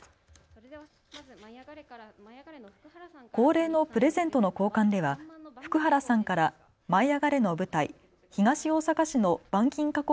恒例のプレゼントの交換では福原さんから舞いあがれ！の舞台、東大阪市の板金加工